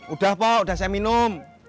udah pak udah saya minum